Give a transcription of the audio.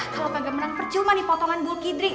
kalo kagak menang percuma nih potongan bulh kidri